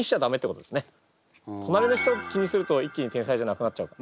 となりの人気にすると一気に天才じゃなくなっちゃうから。